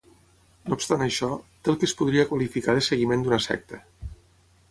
No obstant això, té el que es podria qualificar de seguiment d'una secta.